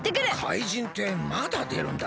かいじんってまだでるんだな。